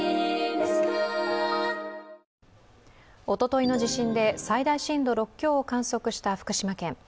おとといの地震で最大震度６強を観測した福島県。